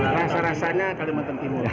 rasa rasanya kalimantan timur